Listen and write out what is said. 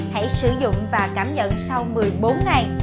hãy sử dụng và cảm nhận sau một mươi bốn ngày